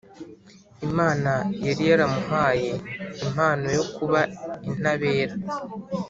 Imana yari yaramuhaye impano yo kuba intabera